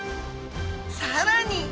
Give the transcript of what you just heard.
さらに！